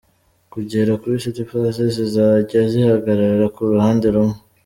kugera kuri City Plaza, zizajya zihagarara ku ruhande rumwe.